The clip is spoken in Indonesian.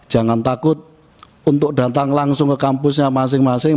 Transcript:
jangan takut untuk datang langsung ke kampusnya masing masing